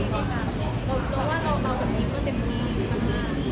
เพราะว่าเราแบบนี้ก็เต็มทีกันมาก